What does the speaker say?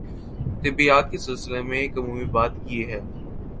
طبیعیات کے سلسلے میں ایک عمومی بات یہ ہے